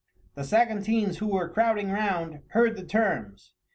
The Saguntines, who were crowding round, heard the terms.